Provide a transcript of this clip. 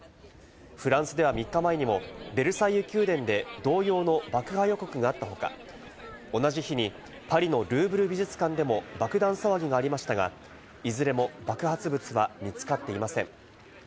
フランスでは３日前にもベルサイユ宮殿で同様の爆破予告があった他、同じ日にパリのルーブル美術館でも爆弾騒ぎがありましたが、いずれも爆発物は見つかっていません。